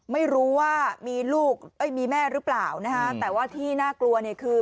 ไม่รู้ว่ามีลูกเอ้ยมีแม่หรือเปล่านะฮะแต่ว่าที่น่ากลัวเนี่ยคือ